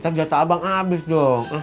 ya ntar jatah abang abis dong